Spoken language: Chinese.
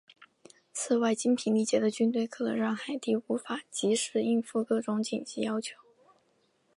此外精疲力竭的军队可能让海地无法即时应付各种紧急需求。